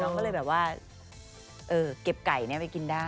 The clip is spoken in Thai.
เราก็เลยแบบว่าเก็บไก่นี้ไปกินได้